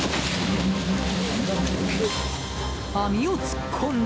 網を突っ込んだ！